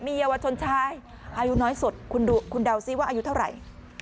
เยาวชนชายอายุน้อยสุดคุณเดาซิว่าอายุเท่าไหร่